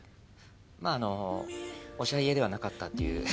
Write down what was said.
まぁあのおしゃ家ではなかったっていう。